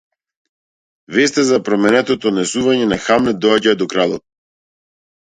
Веста за променетото однесување на Хамлет доаѓа до кралот.